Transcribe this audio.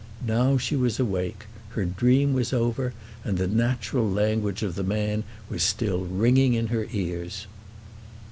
Now she was awake; her dream was over, and the natural language of the man was still ringing in her ears!